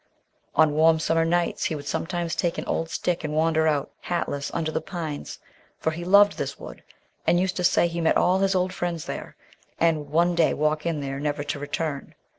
On warm summer nights he would sometimes take an old stick and wander out, hatless, under the pines, for he loved this wood, and used to say he met all his old friends there, and would one day walk in there never to return.